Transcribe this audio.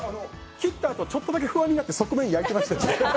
切ったあと不安になって側面焼いてましたよね。